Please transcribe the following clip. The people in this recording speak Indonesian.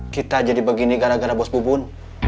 kita jadi begini gara gara bos bubun